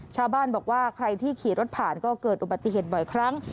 ชาวบ้านบอกว่าใครที่ขี่รถผ่านก็เกิดอุบัติเหตุบ่อยครั้ง